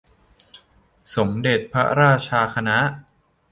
สมเด็จพระราชาคณะ